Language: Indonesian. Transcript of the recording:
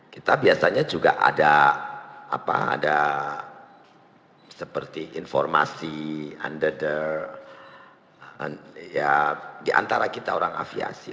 kita biasanya juga ada apa ada seperti informasi under the ya diantara kita orang aviasi